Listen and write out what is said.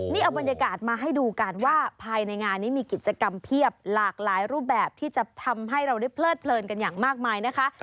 นี่เอาบรรยากาศมาให้ดูกันว่าภายในงานนี้มีกิจกรรมเพียบหลากหลายรูปแบบที่จะทำให้เราได้เพลิดเพลินกันอย่างมากมายนะคะ